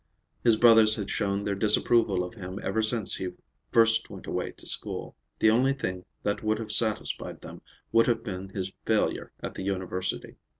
His brothers had shown their disapproval of him ever since he first went away to school. The only thing that would have satisfied them would have been his failure at the University.